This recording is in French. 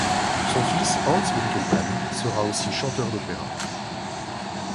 Son fils Hans Winckelmann sera aussi chanteur d'opéra.